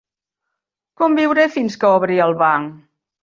Com viuré fins que obri el banc?